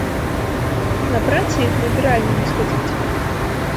На працы і ў прыбіральню не схадзіць!